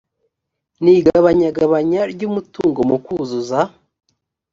n igabagabanya ry umutungo mu kuzuza